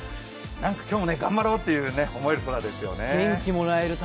なんか今日もね、頑張ろうって思える空ですよね。